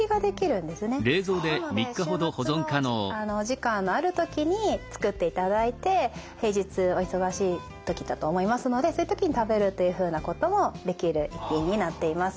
なので週末のお時間のある時に作っていただいて平日お忙しい時だと思いますのでそういう時に食べるというふうなこともできる一品になっています。